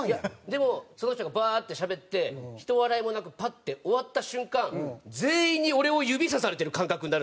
でもその人がバーッてしゃべってひと笑いもなくパッて終わった瞬間全員に俺を指さされてる感覚になるんですよ。